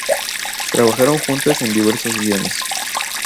Trabajaron juntas en diversos guiones.